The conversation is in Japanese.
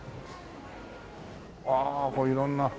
ああ色んな。